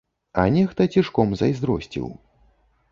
А нехта цішком зайздросціў.